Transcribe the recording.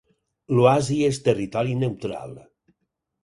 L'oasi és territori neutral.